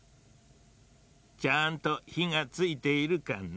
ちゃんとひがついているかな？